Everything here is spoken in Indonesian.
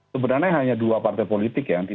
sebenarnya hanya dua partai politik ya